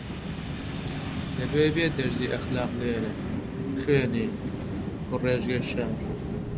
دەبێ بێ دەرسی ئەخلاق لێرە بخوێنێ کوڕیژگەی شار